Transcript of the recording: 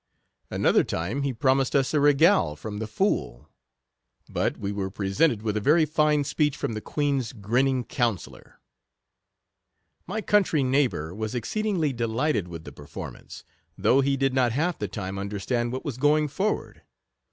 Another time he promised us a regale from the fool ; but we were presented with a very fine speech from the queen's grinning counsellor. My country neighbour was exceedingly delighted with the performance, though he did not half the time understand what was going forward.